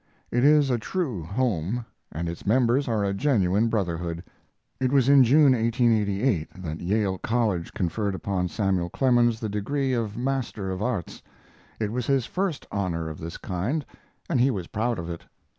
It is a true home, and its members are a genuine brotherhood. It was in June, 1888, that Yale College conferred upon Samuel Clemens the degree of Master of Arts. It was his first honor of this kind, and he was proud of it.